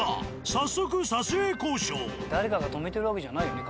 早速誰かがとめてるわけじゃないよね